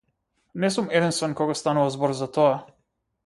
Не сум единствен кога станува збор за тоа.